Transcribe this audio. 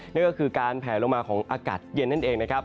นั่นก็คือการแผลลงมาของอากาศเย็นนั่นเองนะครับ